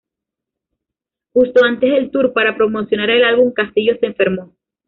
Justo antes del tour para promocionar el álbum, Castillo se enfermó.